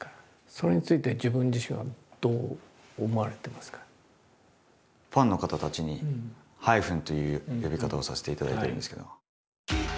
それについて自分自身はどう思われてますか？という呼び方をさせていただいてるんですけど。